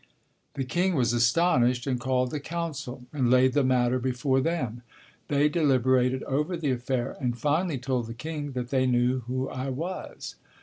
The king was astonished and called a council and laid the matter before them. They deliberated over the affair and finally told the king that they knew who I was.